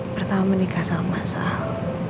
pertama menikah sama mas al